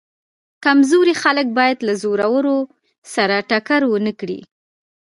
کمزوري خلک باید له زورورو سره ټکر ونه کړي.